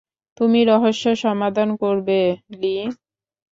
তুমি রহস্য সমাধান করবে, লী।